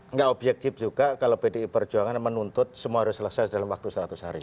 enggak objektif juga kalau pdip berjuangan menuntut semua harus selesai dalam waktu seratus hari